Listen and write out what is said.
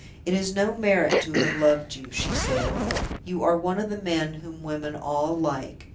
"It is no merit to have loved you," she said. "You are one of the men whom women all like."